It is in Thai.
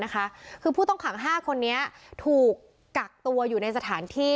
คือผู้ต้องขัง๕คนนี้ถูกกักตัวอยู่ในสถานที่